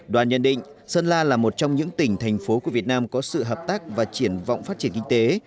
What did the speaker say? đoàn nhận định sơn la là một trong những tỉnh thành phố của việt nam có sự hợp tác và triển vọng phát triển kinh tế